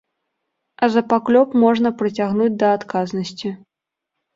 А за паклёп можна прыцягнуць да адказнасці.